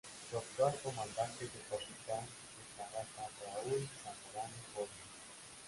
Su actual comandante es el Capitán de Fragata Raúl Zamorano Goñi.